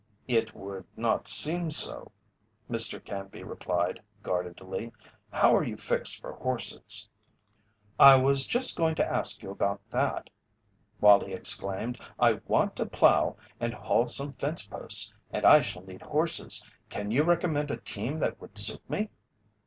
"It would not seem so," Mr. Canby replied, guardedly. "How are you fixed for horses?" "I was just going to ask you about that," Wallie exclaimed. "I want to plow, and haul some fence posts, and I shall need horses. Can you recommend a team that would suit me?"